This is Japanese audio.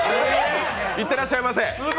行ってらっしゃいませ。